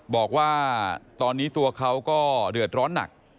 บอกว่าตอนนี้ตัวเขาก็เดือดร้อนหนัก